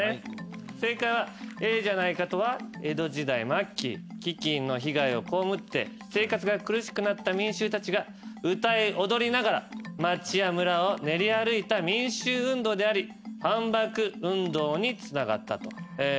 正解は「ええじゃないかとは江戸時代末期飢饉の被害を被って生活が苦しくなった民衆たちが歌い踊りながら町や村を練り歩いた民衆運動であり反幕運動につながった」と。